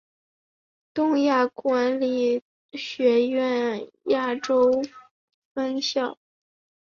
东亚管理学院亚洲分校。